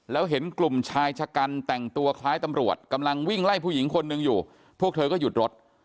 แล้วเห็นกลุ่มชายชะกันแต่งตัวคล้ายตำรวจกำลังวิ่งไล่ผู้หญิงคนหนึ่งอยู่พวกเธอก็หยุดรถ